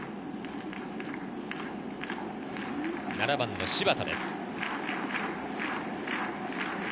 ７番・柴田です。